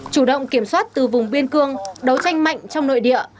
chủ động kiểm soát từ vùng biên cương đấu tranh mạnh trong nội địa